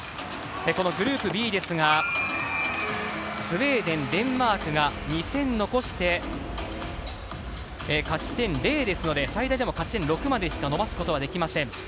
このグループＢですが、スウェーデン、デンマークが２戦残して勝ち点０ですので、最大でも勝ち点６までしか伸ばすことができません。